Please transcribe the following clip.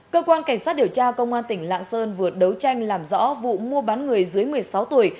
cơ quan cảnh sát điều tra công an tỉnh lạng sơn vừa đấu tranh làm rõ vụ mua bán người dưới một mươi sáu tuổi